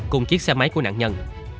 cùng chiếc xe máy của nạn nhân